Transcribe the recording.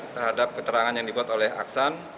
terhadap keterangan yang dibuat oleh aksan